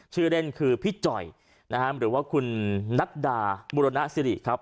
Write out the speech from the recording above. ชื่อเล่นคือพี่จ่อยนะครับหรือว่าคุณนัดดาบุรณสิริครับ